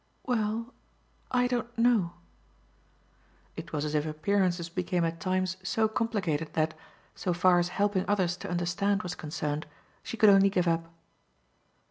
"Well I don't know." It was as if appearances became at times so complicated that so far as helping others to understand was concerned she could only give up.